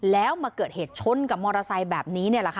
แล้วมาเกิดเหตุชนกับมอเตอร์ไซค์แบบนี้